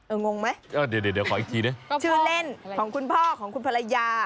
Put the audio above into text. เอองงไหมเดี๋ยวเดี๋ยวเดี๋ยวขออีกทีด้วยชื่อเล่นของคุณพ่อของคุณภรรยา